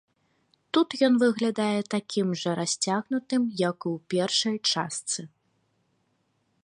Тут ён выглядае такім жа расцягнутым, як і ў першай частцы.